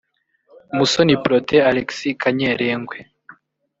Musoni Protais Alexis Kanyerengwe